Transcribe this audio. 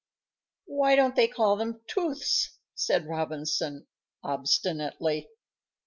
"Why don't they call them tooths?" said Robinson, obstinately.